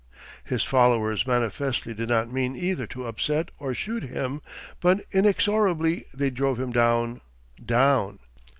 His followers manifestly did not mean either to upset or shoot him, but inexorably they drove him down, down.